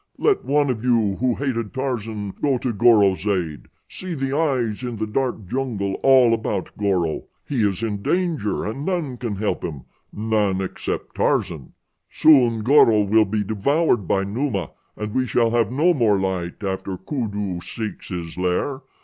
Let one of you who hated Tarzan go to Goro's aid. See the eyes in the dark jungle all about Goro. He is in danger and none can help him none except Tarzan. Soon Goro will be devoured by Numa and we shall have no more light after Kudu seeks his lair.